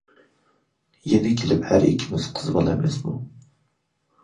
يەنە كېلىپ ھەر ئىككىلىمىز قىز بالا ئەمەسمۇ.